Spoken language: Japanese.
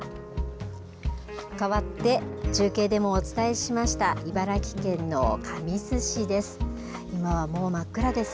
かわって中継でもお伝えしました茨城県の神栖市です。